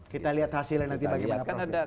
kita lihat hasilnya nanti bagaimana